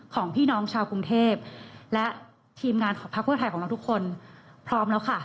ของพี่น้องชาวกรุงเทพและทีมงานของพักเพื่อไทยของเราทุกคนพร้อมแล้วค่ะ